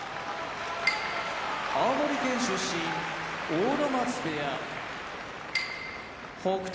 青森県出身阿武松部屋北勝